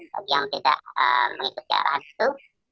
bagi yang tidak mengikuti arahan itu